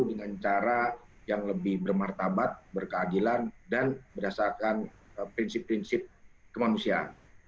dengan cara yang lebih bermartabat berkeadilan dan berdasarkan prinsip prinsip kemanusiaan